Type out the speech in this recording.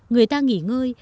người ta nghỉ ngơi